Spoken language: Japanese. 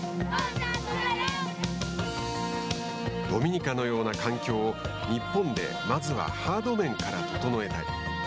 ドミニカのように環境を日本でまずはハード面から整えたい。